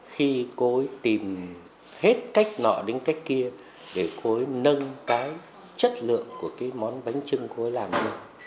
khi cô ấy tìm hết cách nọ đến cách kia để cô ấy nâng cái chất lượng của cái món bánh trưng cô ấy làm được